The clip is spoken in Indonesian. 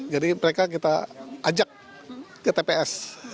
jadi mereka kita ajak ke tps